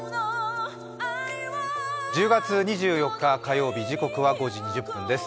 １０月２４日火曜日、時刻は５時２０分です。